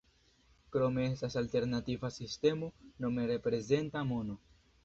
Krome estas alternativa sistemo nome reprezenta mono.